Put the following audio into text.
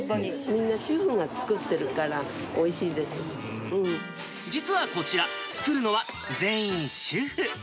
みんな主婦が作ってるから、実はこちら、作るのは全員主婦。